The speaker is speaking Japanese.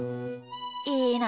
いいな。